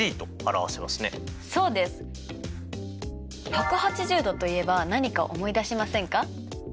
１８０°といえば何か思い出しませんか？